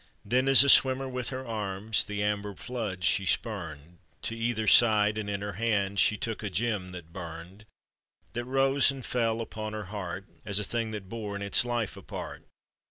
Then, as a swimmer, with her arms The amber flood she spurned To either side, and in her hand She took a gem that burned — That rose and fell upon her heart As a thing that bore in its life a part.